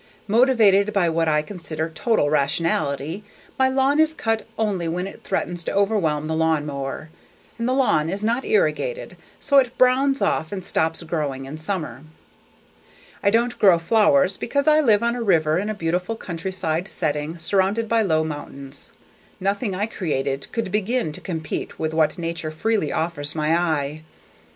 Motivated by what I consider total rationality, my lawn is cut only when it threatens to overwhelm the lawnmower, and the lawn is not irrigated, so it browns off and stops growing in summer. I don't grow flowers because I live on a river in a beautiful countryside setting surrounded by low mountains. Nothing I created could begin to compete with what nature freely offers my eye.